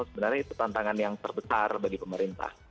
sebenarnya itu tantangan yang terbesar bagi pemerintah